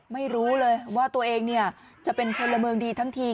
ไม่รู้เลยว่าตัวเองจะเป็นพลเมืองดีทั้งที